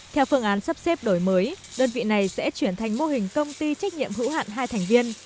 theo phương án sắp xếp đổi mới đơn vị này sẽ chuyển thành mô hình công ty trách nhiệm hữu hạn hai thành viên